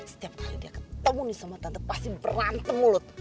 setiap kali dia ketemu nih sama tante pasti berantem mulut